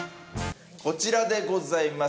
こちらでございます。